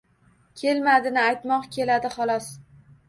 “Kelmadi”ni aytmoq keladi, holos.